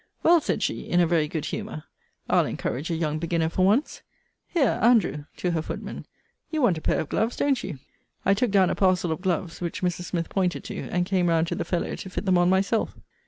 Well, said she, in a very good humour, I'll encourage a young beginner for once. Here, Andrew, [to her footman,] you want a pair of gloves, don't you? I took down a parcel of gloves, which Mrs. Smith pointed to, and came round to the fellow to fit them on myself.